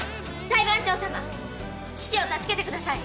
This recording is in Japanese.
裁判長様父を助けてください！